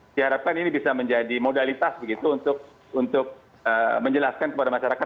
saya harapkan ini bisa menjadi modalitas untuk menjelaskan kepada masyarakat